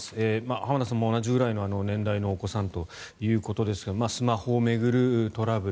浜田さんも同じぐらいの年代のお子さんということですがスマホを巡るトラブル